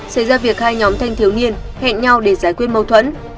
xảy ra việc hai nhóm thanh thiếu niên hẹn nhau để giải quyết mâu thuẫn